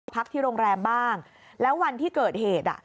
พักที่โรงแรมบ้างแล้ววันที่เกิดเหตุอ่ะ